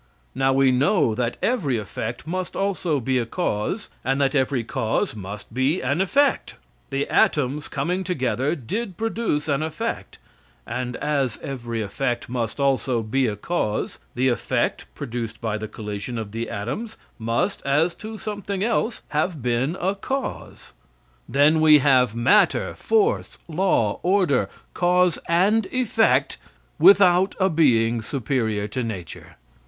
Now, we know that every effect must also be a cause, and that every cause must be an effect. The atoms coming together did produce an effect, and as every effect must also be a cause, the effect produced by the collision of the atoms, must, as to something else, have been a cause. Then we have matter, force, law, order, cause and effect without a being superior to nature.